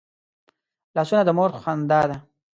لاسونه د مور خندا ده